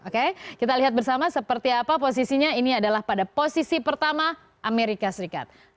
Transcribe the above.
oke kita lihat bersama seperti apa posisinya ini adalah pada posisi pertama amerika serikat